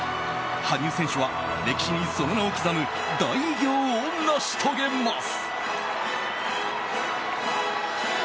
羽生選手は歴史にその名を刻む大偉業を成し遂げます。